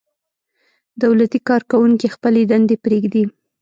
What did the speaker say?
دولتي کارکوونکي خپلې دندې پرېږدي.